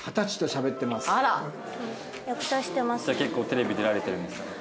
じゃあ結構テレビ出られてるんですかね？